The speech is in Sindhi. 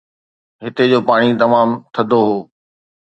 هتي جو پاڻي تمام ٿڌو هو.